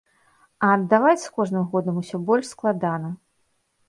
А аддаваць з кожным годам усё больш складана.